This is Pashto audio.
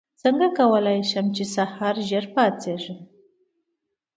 څنګه کولی شم په سهار ژر پاڅېږم